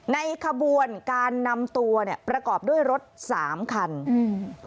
ในขบวนการนำตัวเนี้ยประกอบด้วยรถสามคันอืม